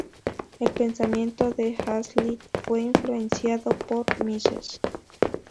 El pensamiento de Hazlitt fue influenciado por Mises.